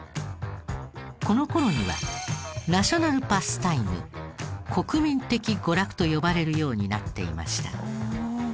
この頃には「ナショナル・パスタイム」「国民的娯楽」と呼ばれるようになっていました。